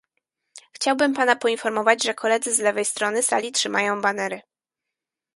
Chciałbym Pana poinformować, że koledzy z lewej strony sali trzymają banery